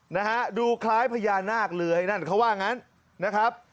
นะฮะดูคล้ายพญานาคเลยนั่นเขาว่างั้นนะครับ